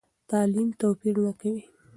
تعلیم توپیر نه کوي.